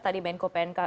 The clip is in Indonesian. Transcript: tadi menko pnk